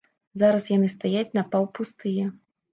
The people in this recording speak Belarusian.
Зараз яны стаяць напаўпустыя.